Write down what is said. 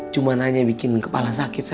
cuma nanya bikin kepala sakit